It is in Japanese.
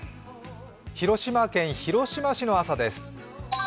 広島県広島市の朝です。